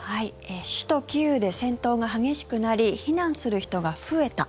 首都キーウで戦闘が激しくなり避難する人が増えた。